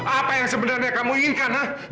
apa yang sebenarnya kamu inginkan